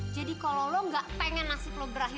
jadi kalau lo gak pengen nasib lo berakhir